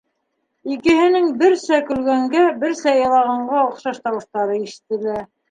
Икеһенең берсә көлгәнгә, берсә илағанға оҡшаш тауыштары ишетелә.